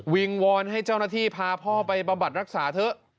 งวอนให้เจ้าหน้าที่พาพ่อไปบำบัดรักษาเถอะ